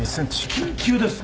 緊急です。